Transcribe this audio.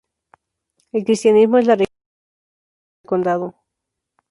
El cristianismo es la religión más practicada en el condado.